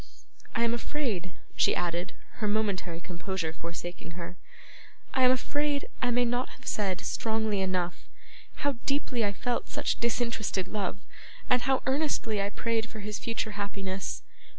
I am afraid,' she added, her momentary composure forsaking her, 'I am afraid I may not have said, strongly enough, how deeply I felt such disinterested love, and how earnestly I prayed for his future happiness.